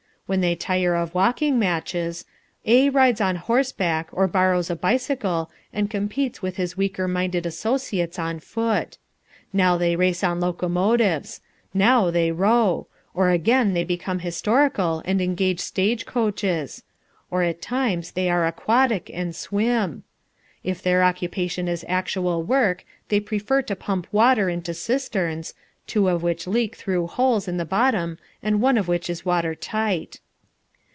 When they tire of walking matches A rides on horseback, or borrows a bicycle and competes with his weaker minded associates on foot. Now they race on locomotives; now they row; or again they become historical and engage stage coaches; or at times they are aquatic and swim. If their occupation is actual work they prefer to pump water into cisterns, two of which leak through holes in the bottom and one of which is water tight.